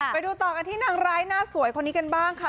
ไปดูต่อกันที่นางร้ายหน้าสวยคนนี้กันบ้างค่ะ